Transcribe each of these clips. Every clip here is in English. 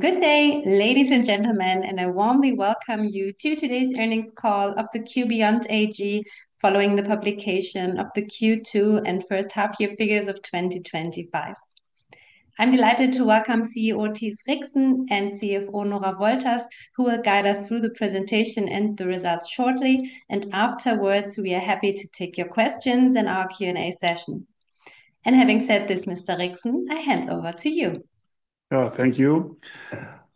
Good day, ladies and gentlemen, and I warmly welcome you to today's earnings call of q.beyond AG, following the publication of the Q2 and first half year figures of 2025. I'm delighted to welcome CEO Thies Rixen and CFO Nora Wolters, who will guide us through the presentation and the results shortly. Afterwards, we are happy to take your questions in our Q&A session. Having said this, Mr. Rixen, I hand over to you. Oh, thank you.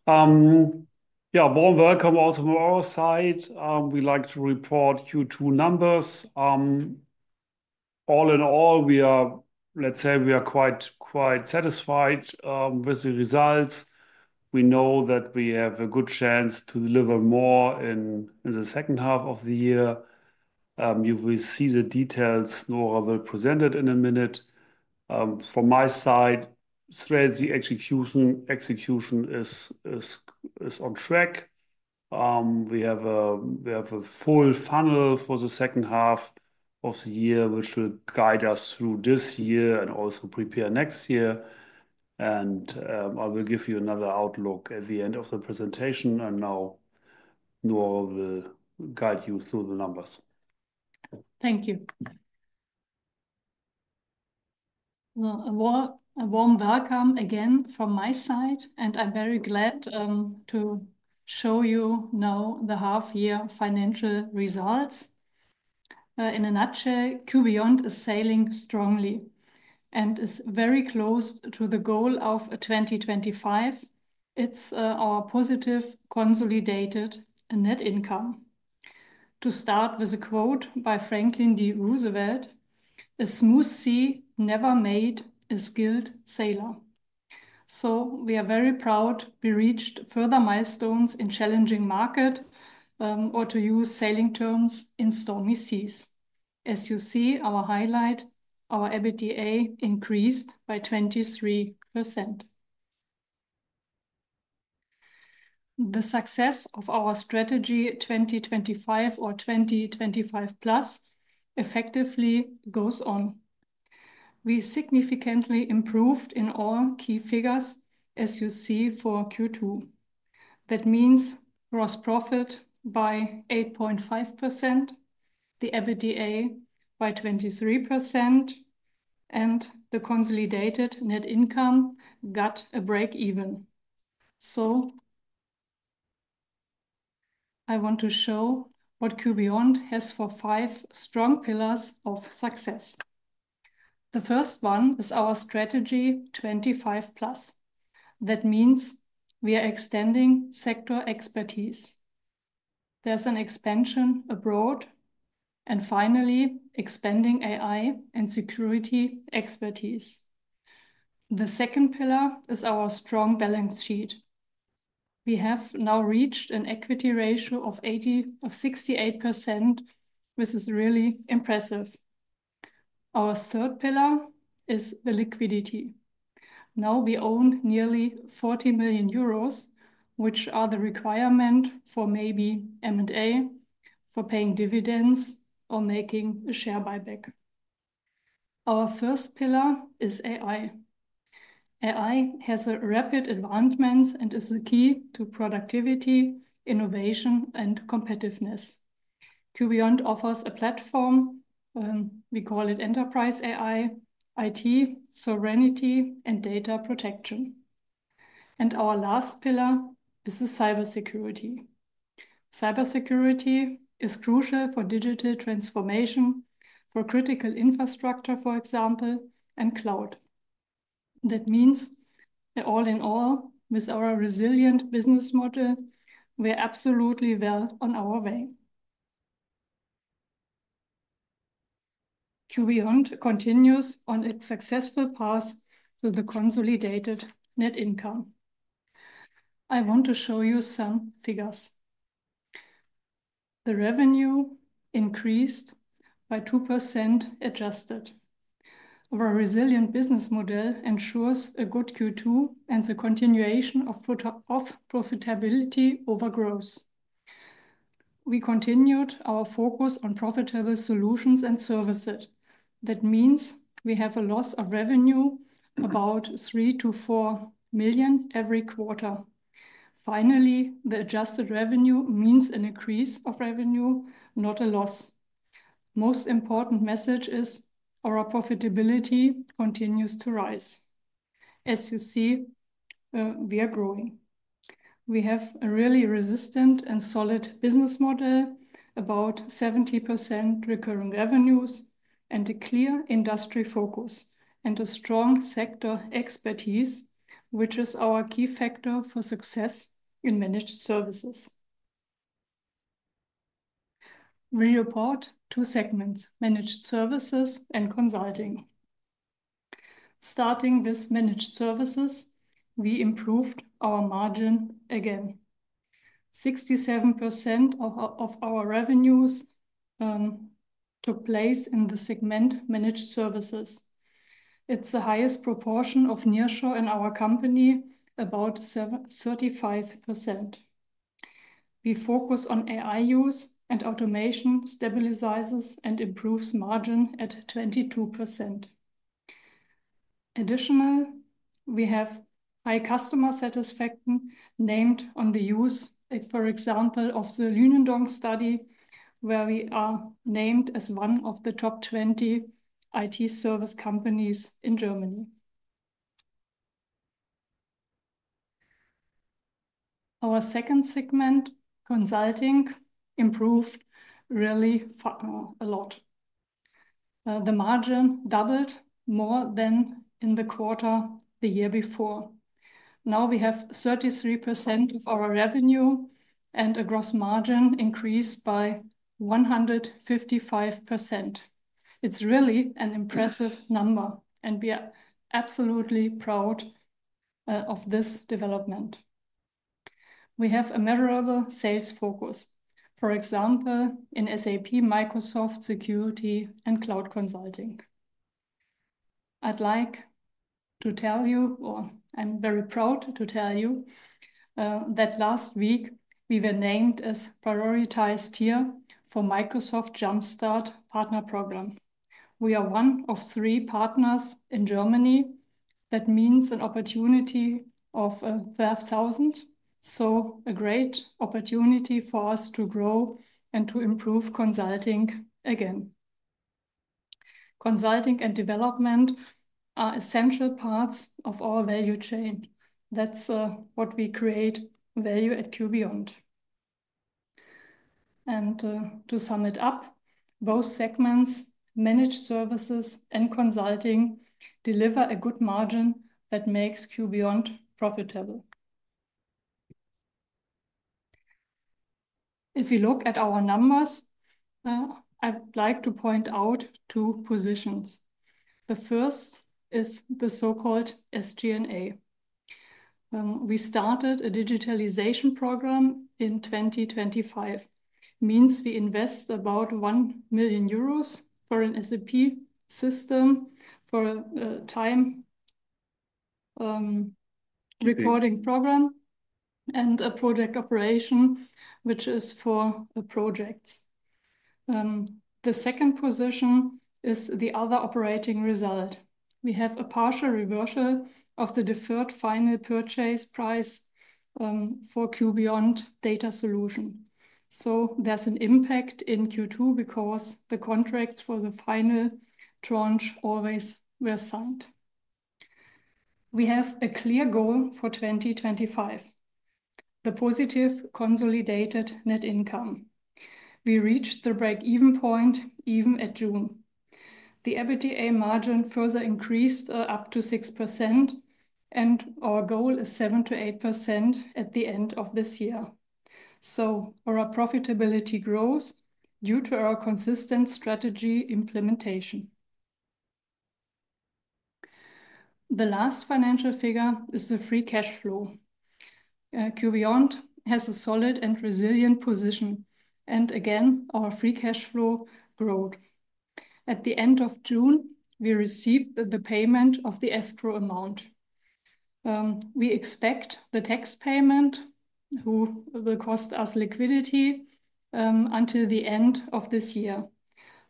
Yeah, warm welcome also from our side. We like to report Q2 numbers. All in all, we are, let's say, we are quite satisfied with the results. We know that we have a good chance to deliver more in the second half of the year. You will see the details Nora will present in a minute. From my side, the strategy execution is on track. We have a full funnel for the second half of the year, which will guide us through this year and also prepare next year. I will give you another outlook at the end of the presentation. Now, Nora will guide you through the numbers. Thank you. A warm welcome again from my side, and I'm very glad to show you now the half-year financial results. In a nutshell, q.beyond is sailing strongly and is very close to the goal of 2025. It's our positive consolidated net income. To start with a quote by Franklin D. Roosevelt, "A smooth sea never made a skilled sailor." We are very proud we reached further milestones in challenging markets, or to use sailing terms, in stormy seas. As you see, our highlight, our EBITDA increased by 23%. The success of our strategy 2025 or 2025+ effectively goes on. We significantly improved in all key figures, as you see for Q2. That means gross profit by 8.5%, the EBITDA by 23%, and the consolidated net income got a break even. I want to show what q.beyond has for five strong pillars of success. The first one is our strategy 2025+. That means we are extending sector expertise. There's an expansion abroad, and finally, expanding AI and security expertise. The second pillar is our strong balance sheet. We have now reached an equity ratio of 68%, which is really impressive. Our third pillar is the liquidity. Now we own nearly 40 million euros, which are the requirement for maybe M&A, for paying dividends, or making a share buyback. Our first pillar is AI. AI has rapid advancements and is the key to productivity, innovation, and competitiveness. q.beyond AG offers a platform, we call it Enterprise AI, IT, sovereignty, and data protection. Our last pillar is cybersecurity. Cybersecurity is crucial for digital transformation, for critical infrastructure, for example, and cloud. That means that all in all, with our resilient business model, we're absolutely well on our way. q.beyond AG continues on its successful path to the consolidated net income. I want to show you some figures. The revenue increased by 2% adjusted. Our resilient business model ensures a good Q2 and the continuation of profitability over growth. We continued our focus on profitable solutions and services. That means we have a loss of revenue of about 3 million-4 million every quarter. Finally, the adjusted revenue means an increase of revenue, not a loss. The most important message is our profitability continues to rise. As you see, we are growing. We have a really resistant and solid business model, about 70% recurring revenues, and a clear industry focus, and a strong sector expertise, which is our key factor for success in Managed Services. We report two segments: Managed Services and Consulting. Starting with Managed Services, we improved our margin again. 67% of our revenues took place in the segment Managed Services. It's the highest proportion of nearshore in our company, about 35%. We focus on AI use, and automation stabilizes and improves margin at 22%. Additionally, we have high customer satisfaction named on the use, for example, of the Lünendonk study, where we are named as one of the top 20 IT service companies in Germany. Our second segment, Consulting, improved really a lot. The margin doubled more than in the quarter the year before. Now we have 33% of our revenue, and a gross margin increased by 155%. It's really an impressive number, and we are absolutely proud of this development. We have a measurable sales focus, for example, in SAP, Microsoft Security, and cloud consulting. I'm very proud to tell you that last week we were named as prioritized tier for Microsoft Jumpstart Partner Program. We are one of three partners in Germany. That means an opportunity of 5,000. A great opportunity for us to grow and to improve Consulting again. Consulting and development are essential parts of our value chain. That's what we create value at q.beyond AG. To sum it up, both segments, Managed Services and Consulting, deliver a good margin that makes q.beyond AG profitable. If you look at our numbers, I'd like to point out two positions. The first is the so-called SG&A. We started a digitalization program in 2025. It means we invest about 1 million euros for an SAP system, for a time recording program, and a project operation, which is for projects. The second position is the other operating result. We have a partial reversal of the deferred final purchase price for q.beyond Data Solution. There's an impact in Q2 because the contracts for the final tranche always were signed. We have a clear goal for 2025. The positive consolidated net income. We reached the break-even point even at June. The EBITDA margin further increased up to 6%, and our goal is 7%-8% at the end of this year. Our profitability grows due to our consistent strategy implementation. The last financial figure is the free cash flow. q.beyond AG has a solid and resilient position, and again, our free cash flow growth. At the end of June, we received the payment of the escrow amount. We expect the tax payment, which will cost us liquidity until the end of this year.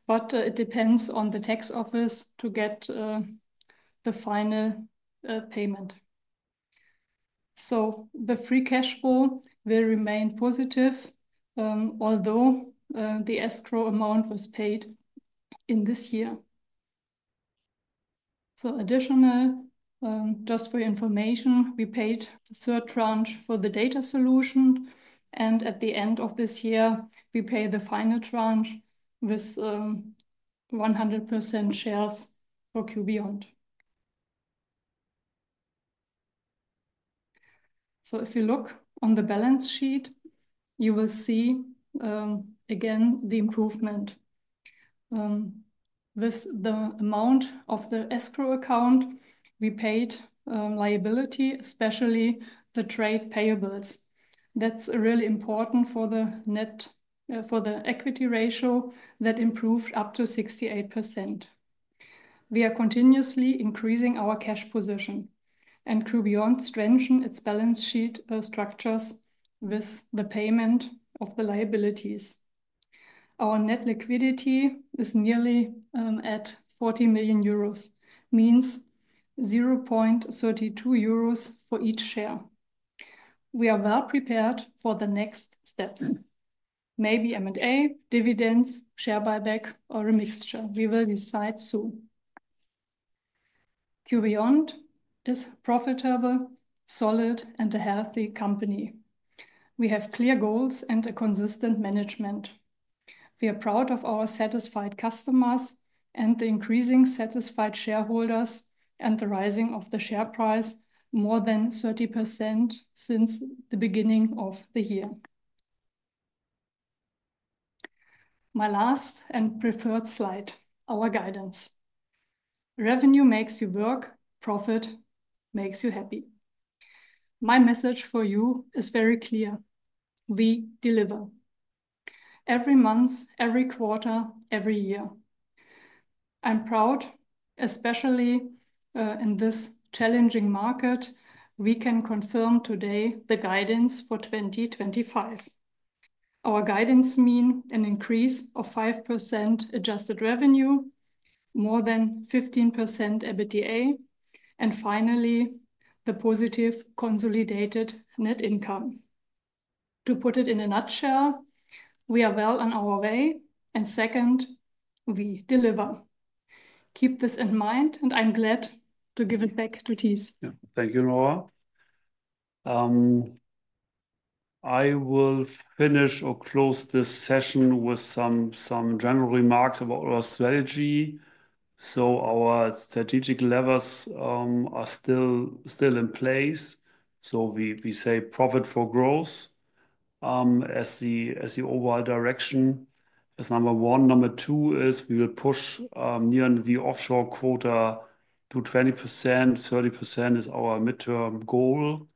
It depends on the tax office to get the final payment. The free cash flow will remain positive, although the escrow amount was paid in this year. Additionally, just for information, we paid the third tranche for the data solution, and at the end of this year, we pay the final tranche with 100% shares for q.beyond AG. If you look on the balance sheet, you will see again the improvement. With the amount of the escrow account, we paid liability, especially the trade payables. That's really important for the net equity ratio that improved up to 68%. We are continuously increasing our cash position, and q.beyond AG strengthens its balance sheet structures with the payment of the liabilities. Our net liquidity is nearly 40 million euros, means 0.32 euros for each share. We are well prepared for the next steps. Maybe M&A, dividends, share buyback, or a mixture. We will decide soon. q.beyond AG is a profitable, solid, and healthy company. We have clear goals and a consistent management. We are proud of our satisfied customers and the increasing satisfied shareholders and the rising of the share price more than 30% since the beginning of the year. My last and preferred slide, our guidance. Revenue makes you work, profit makes you happy. My message for you is very clear. We deliver. Every month, every quarter, every year. I'm proud, especially in this challenging market, we can confirm today the guidance for 2025. Our guidance means an increase of 5% adjusted revenue, more than 15% EBITDA, and finally, the positive consolidated net income. To put it in a nutshell, we are well on our way, and second, we deliver. Keep this in mind, and I'm glad to give it back to Thies. Thank you, Nora. I will finish or close this session with some general remarks about our strategy. Our strategic levers are still in place. We say profit for growth as the overall direction is number one. Number two is we will push near the offshore quota to 20%. 30% is our midterm goal.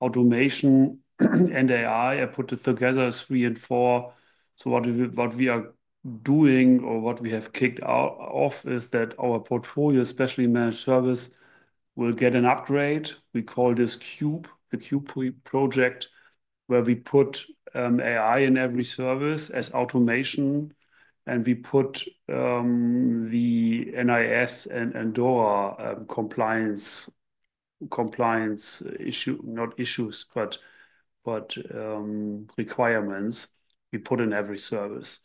Automation and AI, I put it together as three and four. What we are doing or what we have kicked off is that our portfolio, especially Managed Services, will get an upgrade. We call this the Cube project, where we put AI in every service as automation, and we put the NIS2 and DORA compliance requirements in every service.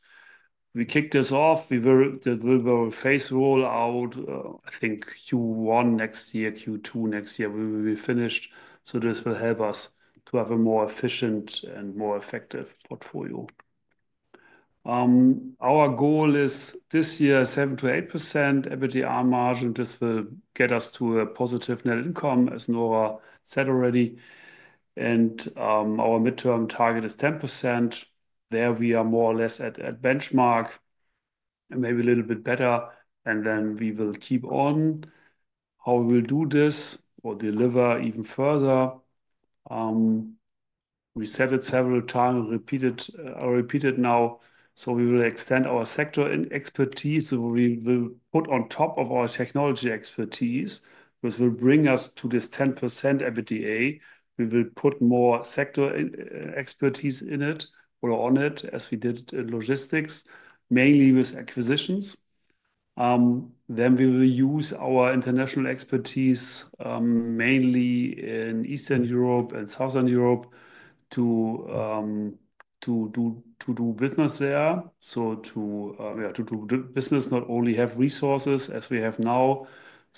We kicked this off. We will phase rollout, I think, Q1 next year, Q2 next year. We will be finished. This will help us to have a more efficient and more effective portfolio. Our goal is this year 7%-8% EBITDA margin. This will get us to a positive net income, as Nora said already. Our midterm target is 10%. There we are more or less at benchmark, maybe a little bit better. We will keep on. How we will do this or deliver even further, we said it several times, repeated now. We will extend our sector expertise. We will put on top of our technology expertise, which will bring us to this 10% EBITDA. We will put more sector expertise in it or on it, as we did in logistics, mainly with acquisitions. We will use our international expertise, mainly in Eastern Europe and Southern Europe, to do business there. To do business, not only have resources, as we have now,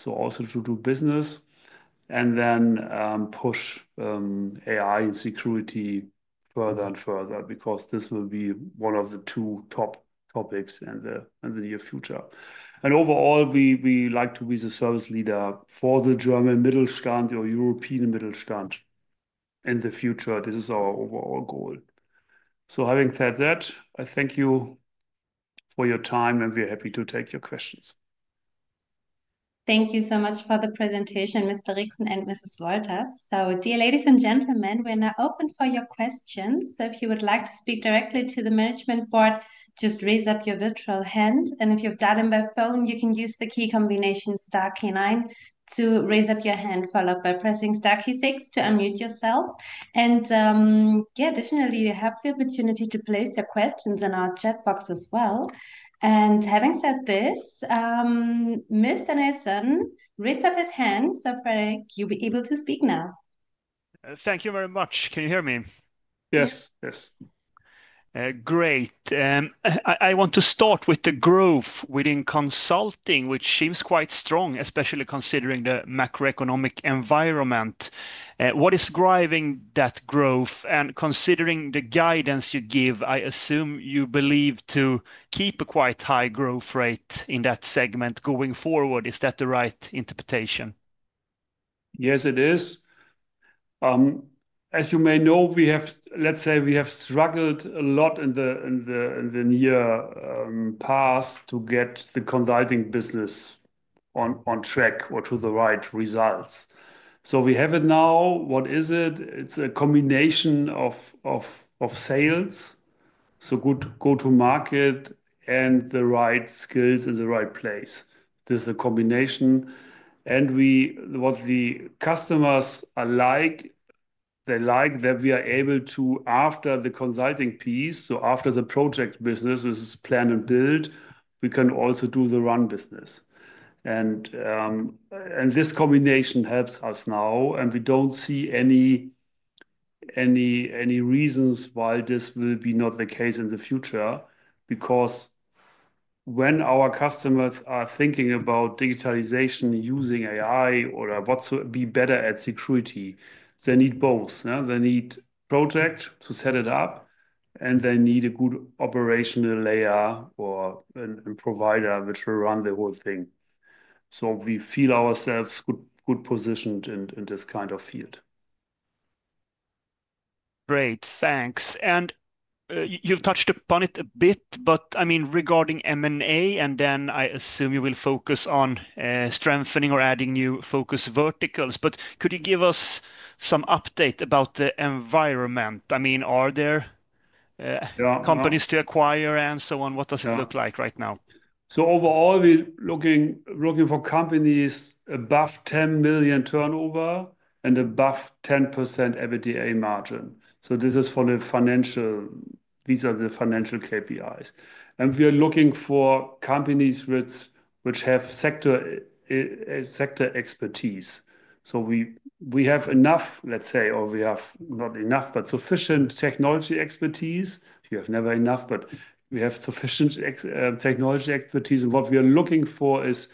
also to do business. We will push AI and security further and further because this will be one of the two top topics in the near future. Overall, we like to be the service leader for the German Mittelstand or European Mittelstand in the future. This is our overall goal. Having said that, I thank you for your time, and we are happy to take your questions. Thank you so much for the presentation, Mr. Rixen and Ms. Wolters. Dear ladies and gentlemen, we're now open for your questions. If you would like to speak directly to the Management Board, just raise your virtual hand. If you've done it by phone, you can use the key combination star nine to raise your hand. Follow up by pressing star six to unmute yourself. You have the opportunity to place your questions in our chat box as well. Having said this, Mr. Nilsson raised his hand. Frederik, you'll be able to speak now. Thank you very much. Can you hear me? Yes, yes. Great. I want to start with the growth within Consulting, which seems quite strong, especially considering the macroeconomic environment. What is driving that growth? Considering the guidance you give, I assume you believe to keep a quite high growth rate in that segment going forward. Is that the right interpretation? Yes, it is. As you may know, we have struggled a lot in the near past to get the consulting business on track or to the right results. We have it now. What is it? It's a combination of sales, a good go-to-market, and the right skills in the right place. This is a combination. What the customers like is that we are able to, after the consulting piece, after the project business is planned and built, also do the run business. This combination helps us now. We don't see any reasons why this will not be the case in the future because when our customers are thinking about digitalization using AI or whatsoever to be better at security, they need both. They need a project to set it up, and they need a good operational layer or a provider which will run the whole thing. We feel ourselves well positioned in this kind of field. Great, thanks. You've touched upon it a bit. I mean regarding M&A, I assume you will focus on strengthening or adding new focus verticals. Could you give us some update about the environment? I mean, are there companies to acquire and so on? What does it look like right now? Overall, we're looking for companies above 10 million turnover and above 10% EBITDA margin. These are the financial KPIs. We're looking for companies which have sector expertise. We have not enough, but sufficient technology expertise. You have never enough, but we have sufficient technology expertise. What we're looking for is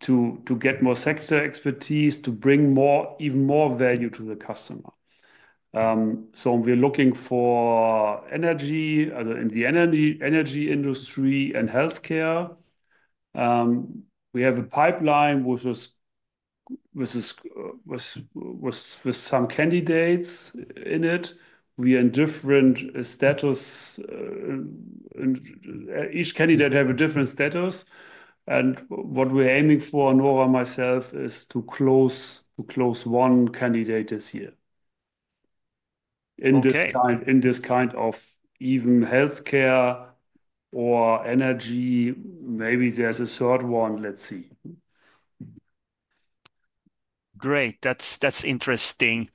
to get more sector expertise to bring even more value to the customer. We're looking for energy in the energy industry and healthcare. We have a pipeline with some candidates in it. We are in different status. Each candidate has a different status. What we're aiming for, Nora and myself, is to close one candidate this year. In this kind of even healthcare or energy, maybe there's a third one. Let's see. Great, that's interesting.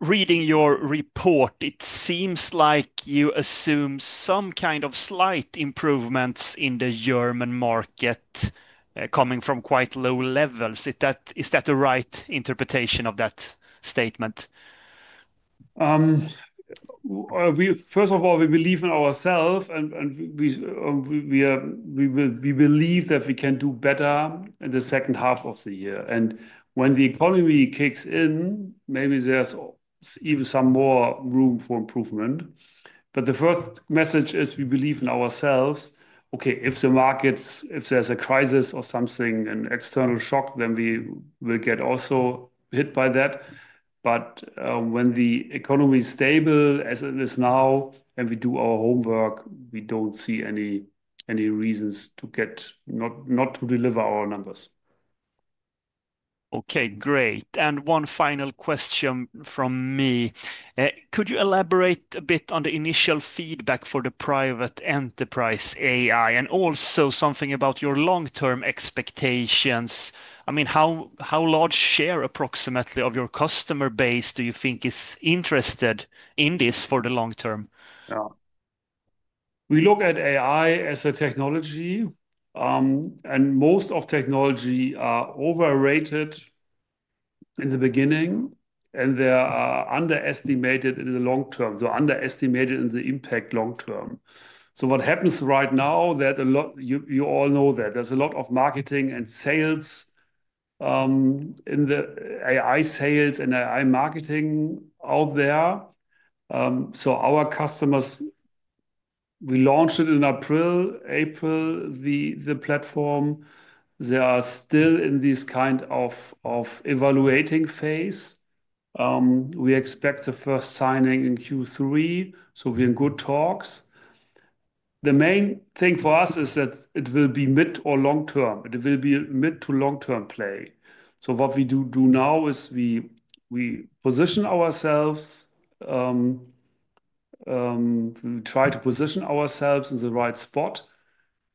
Reading your report, it seems like you assume some kind of slight improvements in the German market coming from quite low levels. Is that the right interpretation of that statement? First of all, we believe in ourselves, and we believe that we can do better in the second half of the year. When the economy kicks in, maybe there's even some more room for improvement. The first message is we believe in ourselves. If the markets, if there's a crisis or something, an external shock, then we will get also hit by that. When the economy is stable as it is now, and we do our homework, we don't see any reasons to get not to deliver our numbers. Okay, great. One final question from me. Could you elaborate a bit on the initial feedback for the Private Enterprise AI and also something about your long-term expectations? I mean, how large share approximately of your customer base do you think is interested in this for the long term? We look at AI as a technology, and most of technology is overrated in the beginning, and they are underestimated in the long term, underestimated in the impact long term. What happens right now is that you all know that there's a lot of marketing and sales in the AI sales and AI marketing out there. Our customers, we launched it in April, the platform. They are still in this kind of evaluating phase. We expect the first signing in Q3. We're in good talks. The main thing for us is that it will be mid or long term. It will be a mid to long term play. What we do now is we position ourselves, we try to position ourselves in the right spot,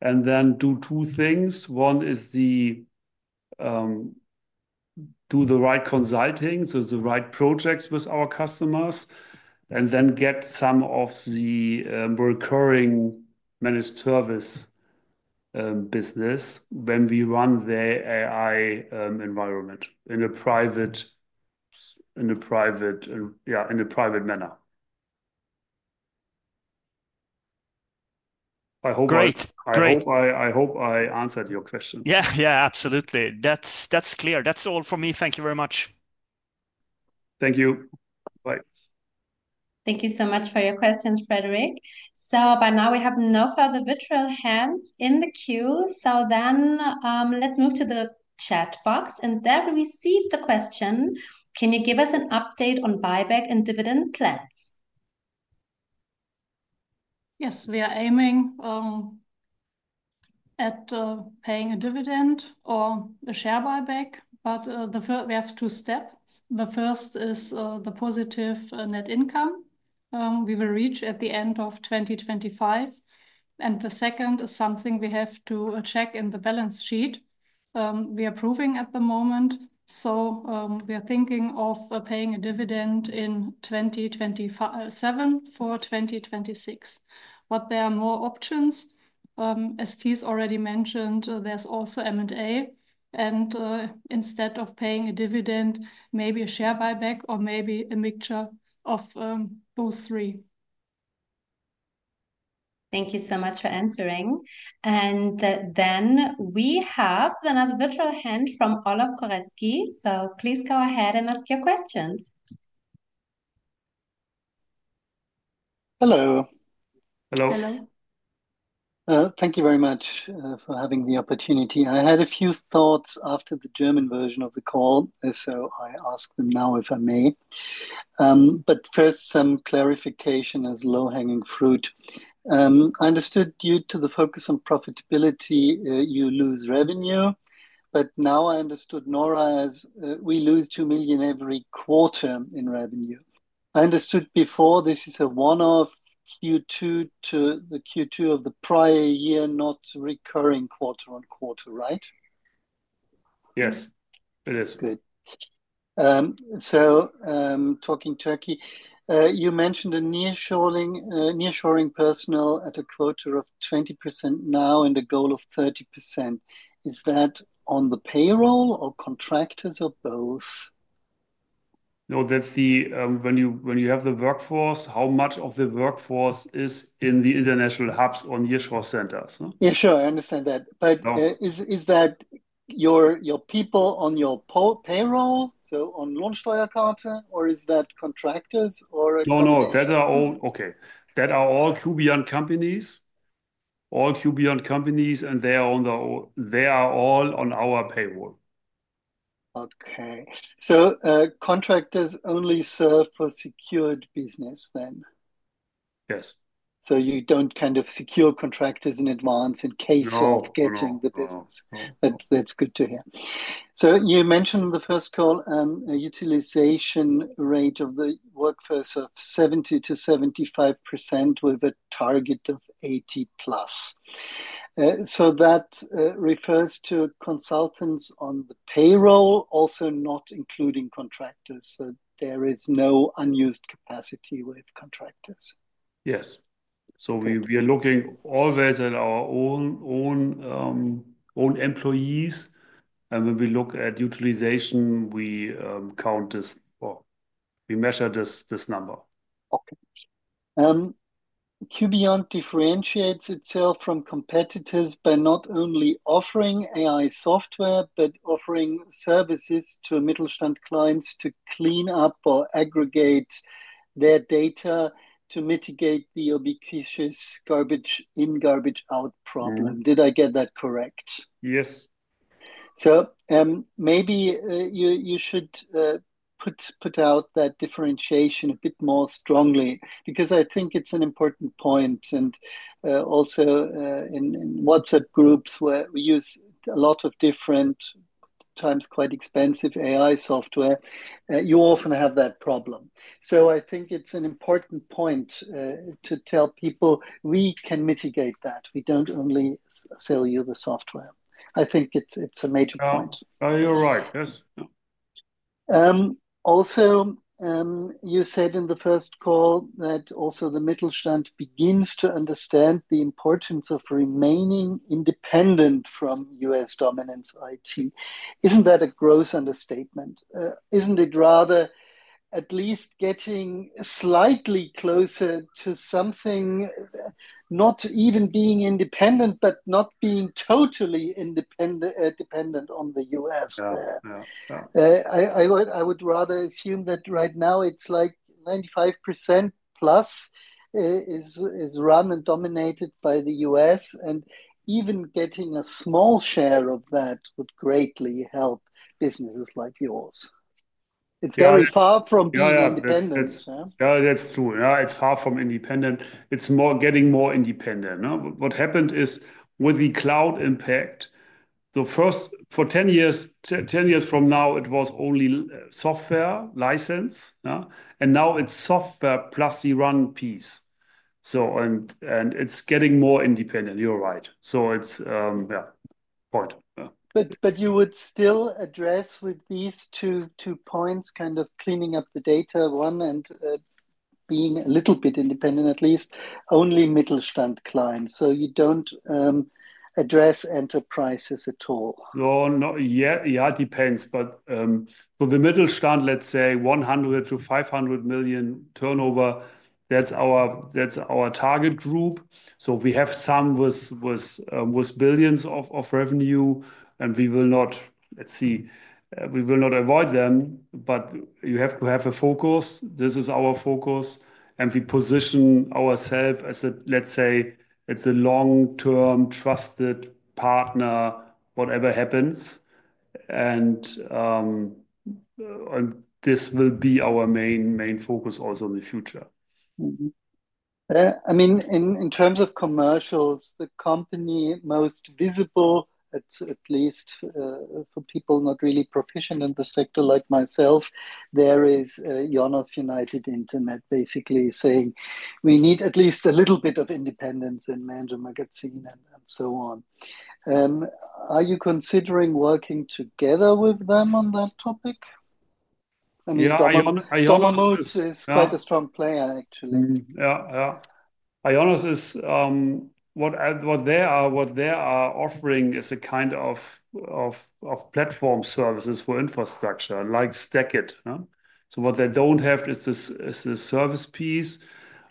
and then do two things. One is do the right consulting, the right projects with our customers, and then get some of the recurring Managed Services business when we run the AI environment in a private, yeah, in a private manner. I hope I answered your question. Yeah, absolutely. That's clear. That's all for me. Thank you very much. Thank you. Bye. Thank you so much for your questions, Frederik. By now we have no further virtual hands in the queue. Let's move to the chat box, and there we received the question. Can you give us an update on buyback and dividend plans? Yes, we are aiming at paying a dividend or a share buyback, but we have two steps. The first is the positive net income we will reach at the end of 2025. The second is something we have to check in the balance sheet. We are proving at the moment. We are thinking of paying a dividend in 2027 for 2026. There are more options. As Thies already mentioned, there's also M&A. Instead of paying a dividend, maybe a share buyback or maybe a mixture of both three. Thank you so much for answering. We have another virtual hand from [Olaf Koretzky. Please go ahead and ask your questions. Hello. Hello. Hello. Thank you very much for having the opportunity. I had a few thoughts after the German version of the call, so I ask them now if I may. First, some clarification as low-hanging fruit. I understood due to the focus on profitability, you lose revenue. Now I understood Nora as we lose 2 million every quarter in revenue. I understood before this is a one-off Q2 to the Q2 of the prior year, not recurring quarter on quarter, right? Yes, it is. Good. Talking Turkey, you mentioned a nearshoring personnel at a quota of 20% now and a goal of 30%. Is that on the payroll or contractors or both? No, that's when you have the workforce, how much of the workforce is in the international hubs or nearshore centers? Yeah, sure, I understand that. Is that your people on your payroll, so on Lohnsteuerkarte, or is that contractors? No, that are all q.beyond companies. All q.beyond companies, and they are all on our payroll. Okay, so contractors only serve for secured business then. Yes. You don't kind of secure contractors in advance in case of getting the bills. No. That's good to hear. You mentioned in the first call a utilization rate of the workforce of 70%-75% with a target of 80%+. That refers to consultants on the payroll, also not including contractors. There is no unused capacity with contractors. Yes. We are looking always at our own employees. When we look at utilization, we count this, we measure this number. q.beyond differentiates itself from competitors by not only offering AI software, but offering services to Mittelstand clients to clean up or aggregate their data to mitigate the obnoxious garbage in, garbage out problem. Did I get that correct? Yes. Maybe you should put out that differentiation a bit more strongly because I think it's an important point. Also, in WhatsApp groups where we use a lot of different times quite expensive AI software, you often have that problem. I think it's an important point to tell people we can mitigate that. We don't only sell you the software. I think it's a major point. You're right, yes. Also, you said in the first call that also the Mittelstand begins to understand the importance of remaining independent from U.S. dominance IT. Isn't that a gross understatement? Isn't it rather at least getting slightly closer to something not even being independent, but not being totally dependent on the U.S.? No. I would rather assume that right now it's like 95%+ is run and dominated by the U.S., and even getting a small share of that would greatly help businesses like yours. It's very far from being independent. Yeah, that's true. It's far from independent. It's more getting more independent. What happened is with the cloud impact, the first for 10 years, 10 years from now it was only software license. Now it's software plus the run piece, and it's getting more independent. You're right. It's, yeah, point. You would still address with these two points, kind of cleaning up the data one and being a little bit independent, at least only Mittelstand clients. You don't address enterprises at all. No, not yet. Yeah, it depends. For the Mittelstand, let's say 100 million-500 million turnover, that's our target group. We have some with billions of revenue, and we will not avoid them. You have to have a focus. This is our focus. We position ourselves as a, let's say, long-term trusted partner, whatever happens. This will be our main focus also in the future. I mean, in terms of commercials, the company most visible, at least for people not really proficient in the sector like myself, there is United Internet basically saying we need at least a little bit of independence in Manager Magazin and so on. Are you considering working together with them on that topic? IONOS. is quite a strong player, actually. IONOS. What they are offering is a kind of platform services for infrastructure like STACKIT. What they don't have is this service piece.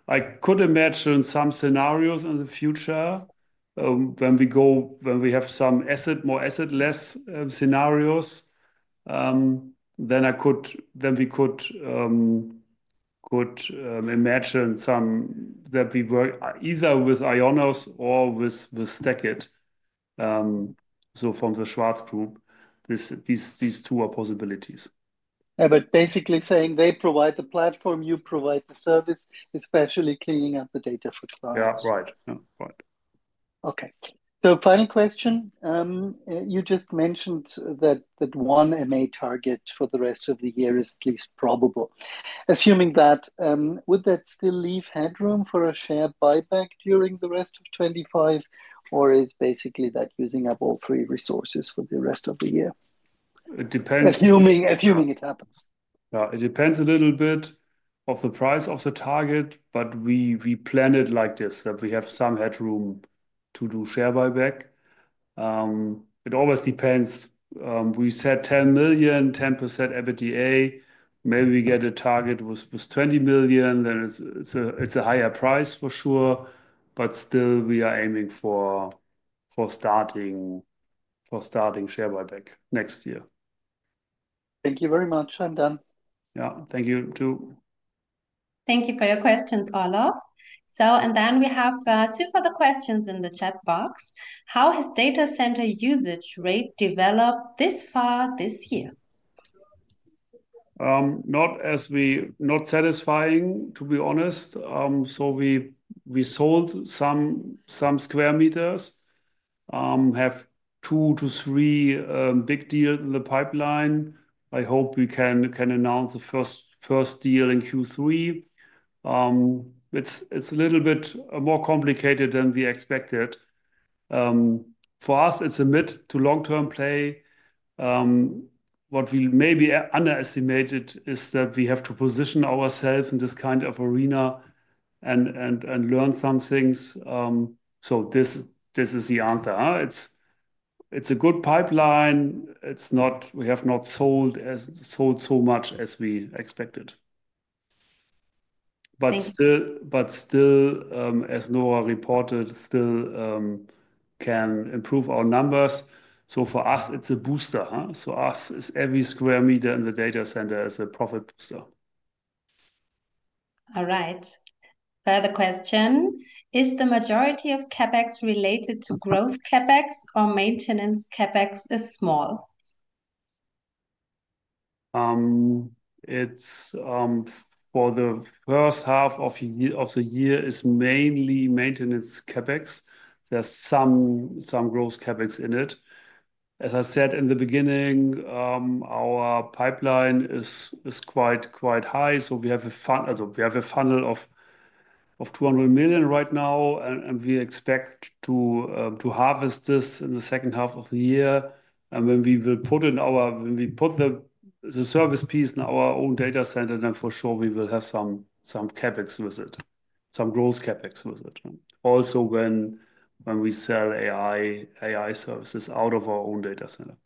I could imagine some scenarios in the future when we have some asset, more asset, less scenarios, then we could imagine that we work either with IONOS or with STACKIT. From the Schwarz Group, these two are possibilities. Yeah, basically saying they provide the platform, you provide the service, especially cleaning up the data for clients. Right. Right. Okay. Final question. You just mentioned that one M&A target for the rest of the year is at least probable. Assuming that, would that still leave headroom for a share buyback during the rest of 2025? Or is basically that using up all three resources for the rest of the year? It depends. Assuming it happens. Yeah, it depends a little bit on the price of the target, but we plan it like this, that we have some headroom to do share buyback. It always depends. We said 10 million, 10% EBITDA. Maybe we get a target with 20 million. It's a higher price for sure. Still, we are aiming for starting share buyback next year. Thank you very much. I'm done. Yeah, thank you, too. Thank you for your questions, Olaf. We have two further questions in the chat box. How has data center utilization rate developed this far this year? Not satisfying, to be honest. We sold some square meters, have two to three big deals in the pipeline. I hope we can announce the first deal in Q3. It's a little bit more complicated than we expected. For us, it's a mid to long-term play. What we maybe underestimated is that we have to position ourselves in this kind of arena and learn some things. This is the answer. It's a good pipeline. We have not sold so much as we expected. Still, as Nora reported, still can improve our numbers. For us, it's a booster. Every square meter in the data center is a profit booster. All right. Further question. Is the majority of CapEx related to growth CapEx, or is maintenance CapEx small? For the first half of the year, it's mainly maintenance CAPEX. There's some growth CAPEX in it. As I said in the beginning, our pipeline is quite high. We have a funnel of 200 million right now, and we expect to harvest this in the second half of the year. When we put the service piece in our own data center, for sure we will have some CAPEX with it, some growth CAPEX with it. Also, when we sell AI services out of our own data center.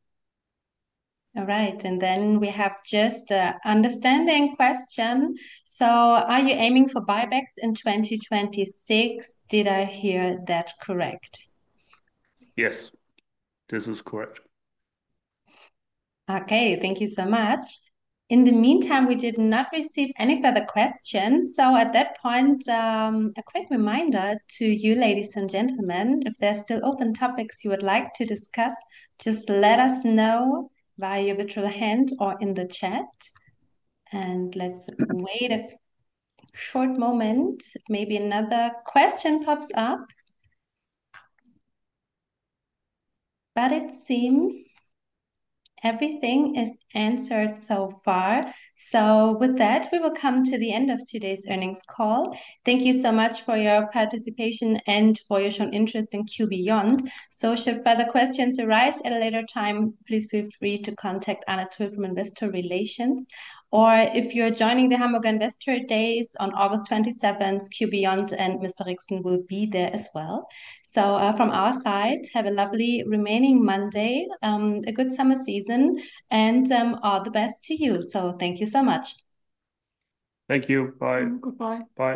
All right. I have just an understanding question. Are you aiming for share buybacks in 2026? Did I hear that correct? Yes, this is correct. Okay, thank you so much. In the meantime, we did not receive any further questions. At that point, a quick reminder to you, ladies and gentlemen, if there are still open topics you would like to discuss, just let us know via your virtual hand or in the chat. Let's wait a short moment. Maybe another question pops up. It seems everything is answered so far. We will come to the end of today's earnings call. Thank you so much for your participation and for your showing interest in q.beyond AG. Should further questions arise at a later time, please feel free to contact Anna Tui from Investor Relations. If you're joining the Hamburger Investor Days on August 27th, q.beyond AG and Mr. Rixen will be there as well. From our side, have a lovely remaining Monday, a good summer season, and all the best to you. Thank you so much. Thank you. Bye. Goodbye. Bye.